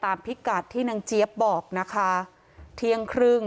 พิกัดที่นางเจี๊ยบบอกนะคะเที่ยงครึ่ง